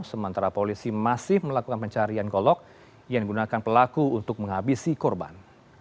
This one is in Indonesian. sementara polisi masih melakukan pencarian golok yang digunakan pelaku untuk menghabisi korban